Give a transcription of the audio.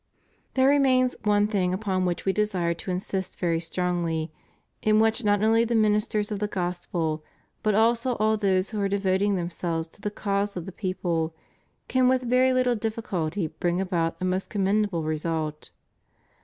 There remains one thing upon which We desire to insist very strongly, in which not only the ministers of the Gospel, but also all those who are devoting themselves to the cause of the people, can with very httle difficulty bring about a most commendable result.